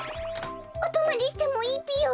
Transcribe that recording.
おとまりしてもいいぴよ？